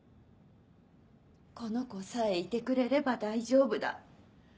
この子さえいてくれれば大丈夫だ。